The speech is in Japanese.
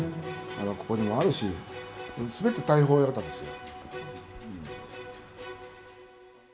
ここにもあるしすべて大鵬親方ですよ。